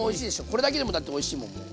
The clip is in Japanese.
これだけでもだっておいしいもんもう。